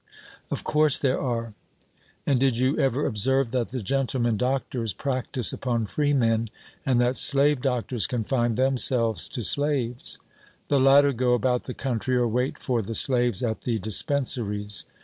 'Of course there are.' And did you ever observe that the gentlemen doctors practise upon freemen, and that slave doctors confine themselves to slaves? The latter go about the country or wait for the slaves at the dispensaries.